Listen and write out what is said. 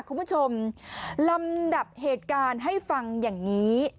คุณผู้ชมลำดับเหตุการณ์ให้ฟังอย่างนี้